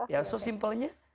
ya so simpelnya